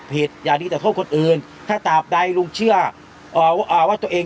อย่าดีแต่โทษคนอื่นถ้าตามใดลุงเชื่อว่าตัวเอง